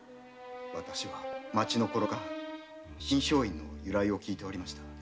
私は町の古老から信松院の由来を聞いておりました。